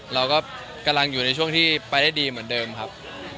เราก็กำลังอยู่ในช่วงที่ไปได้ดีเหมือนเดิมครับ